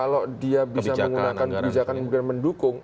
kalau dia bisa menggunakan kebijakan yang bisa mendukung